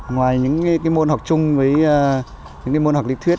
ngoài những cái môn học chung với những cái môn học lý thuyết